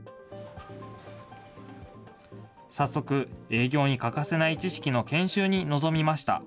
早速、営業に欠かせない知識の研修に臨みました。